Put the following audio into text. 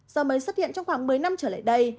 do mới xuất hiện trong khoảng một mươi năm trở lại đây